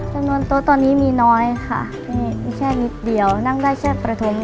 จำนวนโต๊ะตอนนี้มีน้อยค่ะมีแค่นิดเดียวนั่งได้แค่ประถม